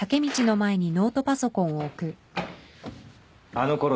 あのころ